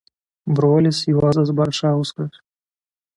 Brolis Juozas Baršauskas.